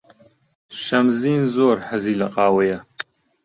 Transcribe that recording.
شەمزین زۆر حەزی لە قاوەیە.